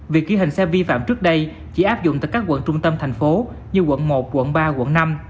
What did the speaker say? việc ghi hình xe vi phạm trước đây chỉ áp dụng tại các quận trung tâm thành phố như quận một quận ba quận năm